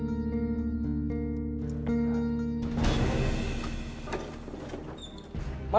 makasih ya mas